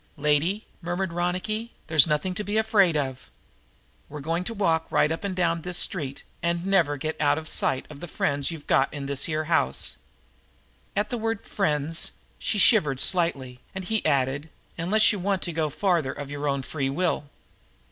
"Lady," murmured Ronicky, "they's nothing to be afraid of. We're going to walk right up and down this street and never get out of sight of the friends you got in this here house." At the word "friends" she shivered slightly, and he added: "Unless you want to go farther of your own free will."